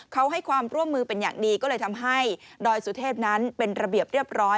เขาให้ความร่วมมือเป็นอย่างดีก็เลยทำให้ดอยสุเทพนั้นเป็นระเบียบเรียบร้อย